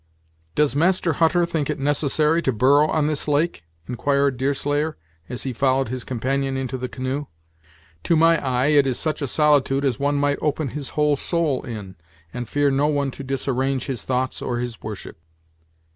"Does Master Hutter think it necessary to burrow on this lake?" inquired Deerslayer, as he followed his companion into the canoe; "to my eye it is such a solitude as one might open his whole soul in, and fear no one to disarrange his thoughts or his worship."